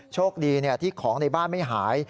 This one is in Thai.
โชคดีที่ของในบ้านไม่หาย